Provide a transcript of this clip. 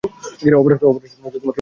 Operation সফল হয়েছে।